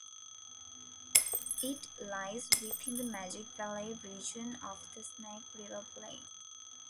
It lies within the Magic Valley region of the Snake River Plain.